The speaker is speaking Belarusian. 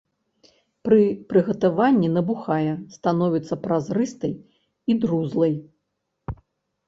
Пры прыгатаванні набухае, становіцца празрыстай і друзлай.